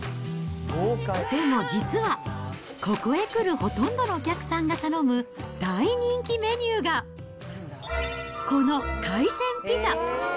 でも実は、ここへ来るほとんどのお客さんが頼む大人気メニューが、この海鮮ピザ。